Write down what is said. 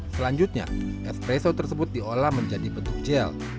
selanjutnya espresso tersebut diolah menjadi bentuk gel